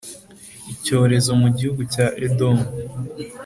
Icyorezo mu gihugu cya Edomu